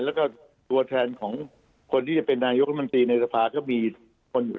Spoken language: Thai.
และก็ตัวแทนของคนที่จะเป็นนายกรมนตรีในทศพรรษก็มีคนอยู่แล้ว